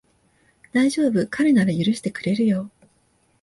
だいじょうぶ、彼なら許してくれるよ